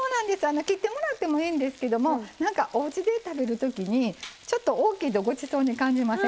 切ってもらってもいいんですけどおうちで食べるときちょっと大きいとごちそうに感じません？